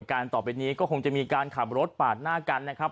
การต่อไปนี้ก็คงจะมีการขับรถปาดหน้ากันนะครับ